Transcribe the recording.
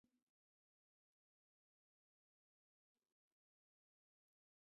مخزن افغاني د نعمت الله کتاب دﺉ.